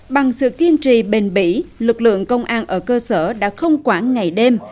bằng sự kiên trì bền bỉ lực lượng công an ở cơ sở đã không quản ngày đêm